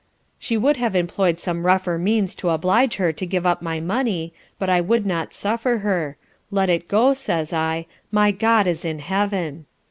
She would have employed some rougher means to oblige her to give up my money, but I would not suffer her, let it go says I "My GOD is in heaven."